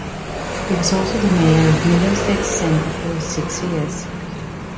He was also the mayor of Middlesex Centre for six years.